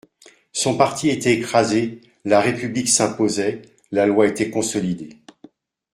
Son parti était écrasé, la République s'imposait, la loi était consolidée.